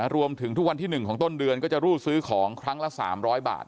รวมถึงทุกวันที่๑ของต้นเดือนก็จะรูดซื้อของครั้งละ๓๐๐บาท